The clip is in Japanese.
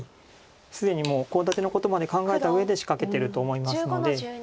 既にもうコウ立てのことまで考えたうえで仕掛けてると思いますので。